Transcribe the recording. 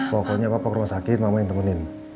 pokoknya bapak ke rumah sakit mama yang temenin